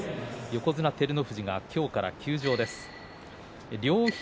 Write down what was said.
横綱照ノ富士が今日から休場です。